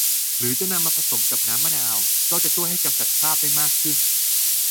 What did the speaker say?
หรือจะนำมาผสมกับน้ำมะนาวก็จะช่วยให้กำจัดคราบได้มากขึ้น